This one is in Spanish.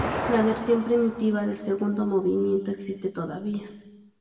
La versión primitiva del segundo movimiento existe todavía.